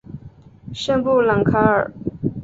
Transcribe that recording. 圣布朗卡尔。